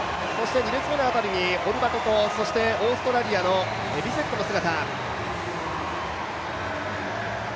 ２列目にホルバトとオーストラリアのビセットの姿。